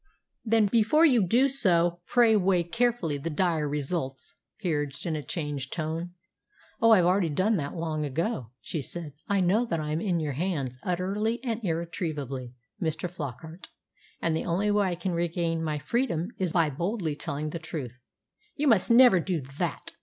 "Then, before you do so, pray weigh carefully the dire results," he urged in a changed tone. "Oh, I've already done that long ago," she said. "I know that I am in your hands, utterly and irretrievably, Mr. Flockart, and the only way I can regain my freedom is by boldly telling the truth." "You must never do that!